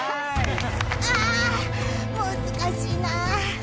ああ難しいな。